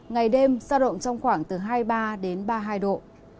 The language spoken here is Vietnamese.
ngày đêm giao động trong khoảng từ hai mươi ba đến ba mươi hai độ